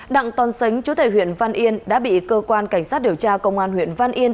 đặng con sánh chú thầy huyện văn yên đã bị cơ quan cảnh sát điều tra công an huyện văn yên